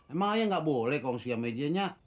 emang aja nggak boleh kongsian media nya